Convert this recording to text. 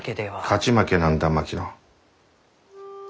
勝ち負けなんだ槙野。